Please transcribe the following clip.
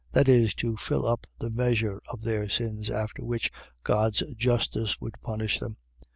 . .That is, to fill up the measure of their sins, after which God's justice would punish them.